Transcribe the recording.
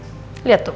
pasti akan diatururkan